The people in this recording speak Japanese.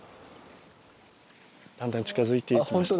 だんだん近づいてきました。